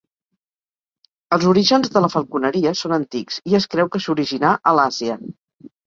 Els orígens de la falconeria són antics, i es creu que s'originà a l'Àsia.